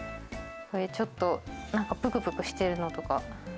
これちょっとなんかプクプクしてるのとか。